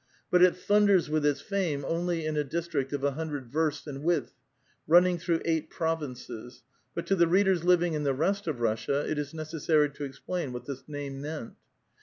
But it thunders with its fame only in a district of a hundred versts in width, running through eight provinces ; but to the readers living in the rest of Russia it is necessary to explain what this name meant.